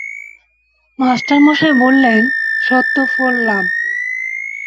মাস্টারমশায় বললেন, সত্যফল-লাভ।